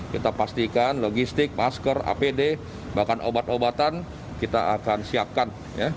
kita pastikan logistik masker apd bahkan obat obatan kita akan siapkan